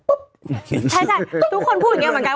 ใช่ทุกคนพูดอย่างนี้เหมือนกัน